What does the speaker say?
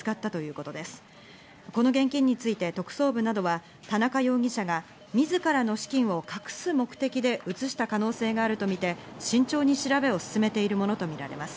この現金について特捜部などは田中容疑者がみずからの資金を隠す目的で移した可能性があるとみて慎重に調べを進めているものとみられます。